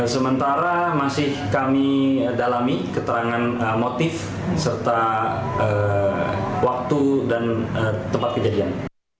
sementara masih kami dalami keterangan motif serta waktu dan tempat kejadian